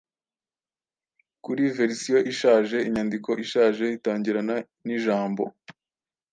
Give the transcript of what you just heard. kuri verisiyo ishaje Inyandiko ishaje itangirana nijambo